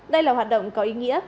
đây là hoạt động có ý nghĩa